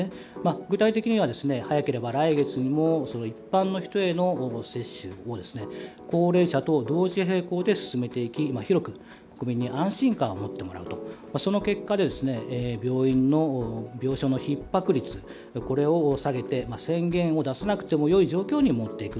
具体的には早ければ来月にも一般の人への予防接種を高齢者と同時並行で進めていき広く国民に安心感を持ってもらうその結果では病院の病床のひっ迫率を下げて宣言を出さなくてもよい状況に持っていく。